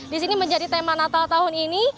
di sini menjadi tema natal tahun ini